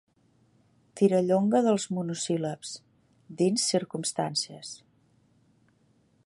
«Tirallonga dels monosíl·labs» dins Circumstàncies .